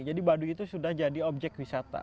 jadi baduy itu sudah jadi objek wisata